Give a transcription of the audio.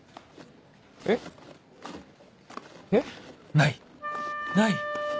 ない！ない！